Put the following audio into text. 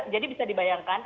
jadi bisa dibayangkan